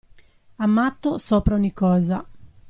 Amato sopra ogni cosa.